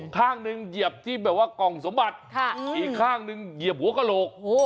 ข้างหนึ่งเหยียบที่แบบว่ากล่องสมบัติอีกข้างหนึ่งเหยียบหัวกระโหลก